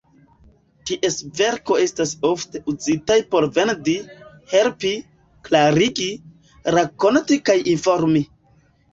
Ties verko estas ofte uzitaj por vendi, helpi, klarigi, rakonti kaj informi.